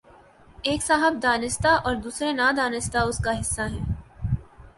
ایک صاحب دانستہ اور دوسرے نادانستہ اس کا حصہ ہیں۔